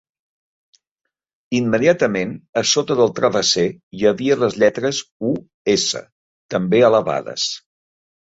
Immediatament a sota del travesser hi havia les lletres "U S", també elevades.